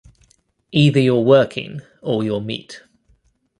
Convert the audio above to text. Either you're working or you're meat.